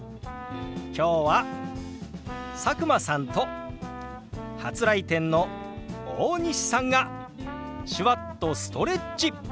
今日は佐久間さんと初来店の大西さんが手話っとストレッチ！